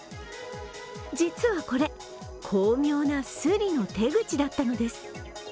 実はこれ、巧妙なスリの手口だったのです。